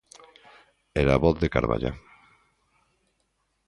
Era a voz de Carballa.